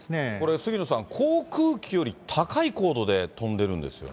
杉野さん、航空機より高い高度で飛んでるんですよね。